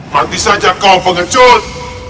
mati saja kau pengecut